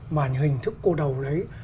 mà hình thức cô đầu đấy